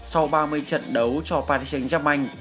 có ba mươi trận đấu cho paris saint germain